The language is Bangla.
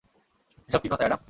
এসব কী কথা, অ্যাডাম।